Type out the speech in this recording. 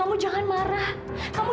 tidak ada terima kasih